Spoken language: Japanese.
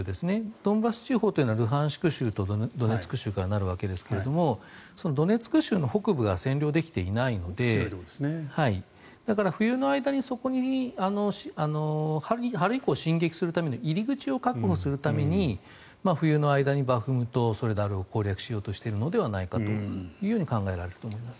ドンバス地方というのはルハンシク州とドネツク州からなるわけですがそのドネツク州の北部が占領できていないのでだから、冬の間にそこに春以降進撃するための入り口を確保するために冬の間にバフムトソレダルを攻略しようとしているのではないかと考えられます。